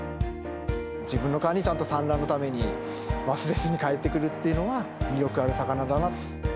自分の川にちゃんと産卵のために忘れずに帰ってくるっていうのが魅力ある魚だな。